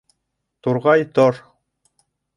— Турғай, тор!